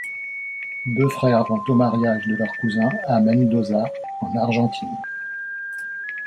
Deux frères vont au mariage de leur cousin à Mendoza, en Argentine.